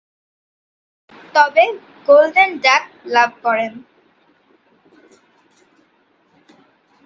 তবে, golden duck লাভ করেন।